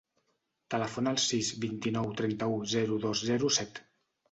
Telefona al sis, vint-i-nou, trenta-u, zero, dos, zero, set.